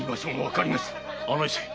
案内せい！